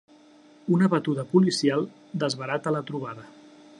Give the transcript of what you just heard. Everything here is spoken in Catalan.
Una batuda policial desbarata la trobada.